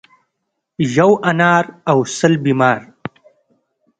ـ یو انار او سل بیمار.